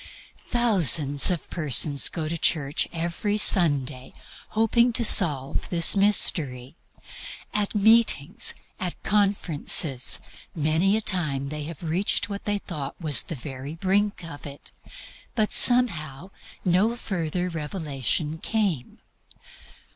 Thousands of persons go to church every Sunday hoping to solve this mystery. At meetings, at conferences, many a time they have reached what they thought was the very brink of it, but somehow no further revelation came.